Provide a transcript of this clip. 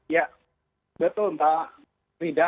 ya betul mbak rida